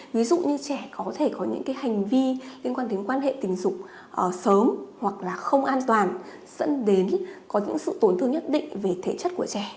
ví dụ như trẻ có thể có những hành vi liên quan đến quan hệ tình dục sớm hoặc là không an toàn dẫn đến có những sự tổn thương nhất định về thể chất của trẻ